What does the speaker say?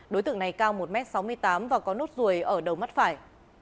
đối tượng này cao một m sáu mươi tám và có nốt ruồi ở đầu mắt phải